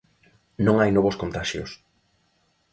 Non hai novos contaxios.